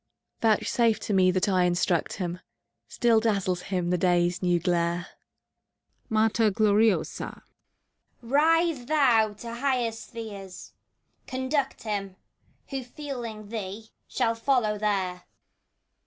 Vouchsafe to me that I instruct him! Still dazzles him the Day's new glare. MATER OLORIOSA. Rise, thou, to higher spheres ! Conduct him. Who, feeling thee, shall follow there!